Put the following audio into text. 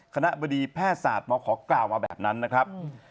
บดีแพทยศาสตร์มขอกล่าวมาแบบนั้นนะครับ